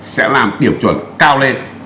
sẽ làm điểm chuẩn cao lên